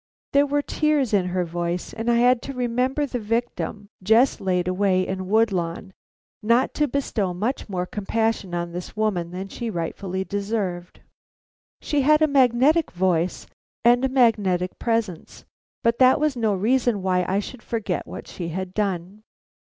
There were tears in her voice, and I had to remember the victim just laid away in Woodlawn, not to bestow much more compassion on this woman than she rightfully deserved. She had a magnetic voice and a magnetic presence, but that was no reason why I should forget what she had done.